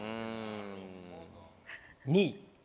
２位。